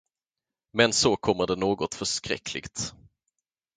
Men så kommer det något förskräckligt.